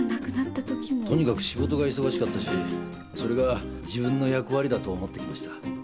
とにかく仕事が忙しかったしそれが自分の役割だと思ってきました。